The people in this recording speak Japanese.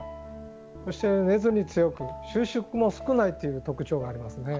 そして熱に強く収縮も少ないという特徴がありますね。